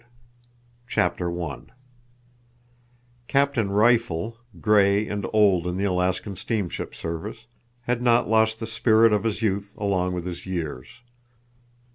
THE ALASKAN CHAPTER I Captain Rifle, gray and old in the Alaskan Steamship service, had not lost the spirit of his youth along with his years.